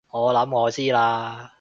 我諗我知喇